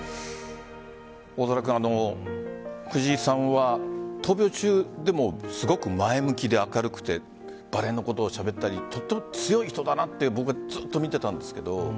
大空君藤井さんは闘病中でもすごく前向きで明るくてバレーのことをしゃべったりとても強い人だなと僕は見ていたんですけど。